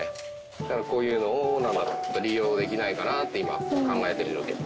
だからこういうのを利用できないかなって今考えてる状況。